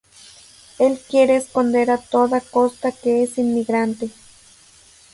Él quiere esconder a toda costa que es inmigrante.